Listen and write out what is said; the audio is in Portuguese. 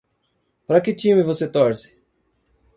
Para que time você torce?